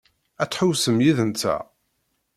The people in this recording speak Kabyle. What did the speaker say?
Ad tḥewwsem yid-nteɣ?